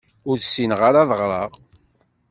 Ur ssineɣ ara ad ɣṛeɣ.